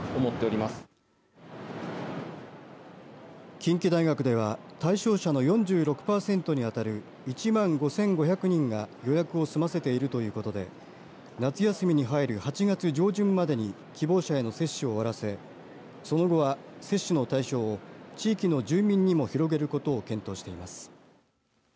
近畿大学では対象者の４６パーセントにあたる１万５５００人が予約を済ませているということで夏休みに入る８月上旬までに希望者への接種を終わらせその後は接種の対象を地域の住民にも広げることを検討しています。